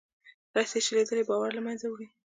رسۍ شلېدلې باور له منځه وړي.